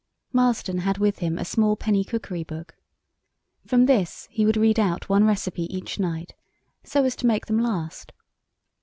Marston had with him a small penny cookery book. From this he would read out one recipe each night, so as to make them last.